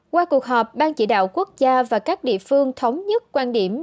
qua cuộc họp ban chỉ đạo quốc gia và các địa phương thống nhất quan điểm